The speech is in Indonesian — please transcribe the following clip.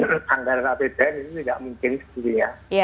menganggarkan anggaran apbn itu tidak mungkin sebetulnya